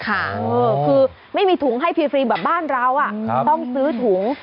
คือไม่มีถุงให้ฟรีแบบบ้านเราต้องซื้อถุง